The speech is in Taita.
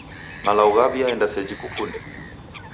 Malagho ghaw'iaenda seji kukunde?